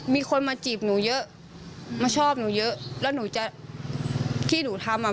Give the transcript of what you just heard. มีคนมาจีบหนูเยอะมาชอบหนูเยอะแล้วหนูจะที่หนูทำอ่ะ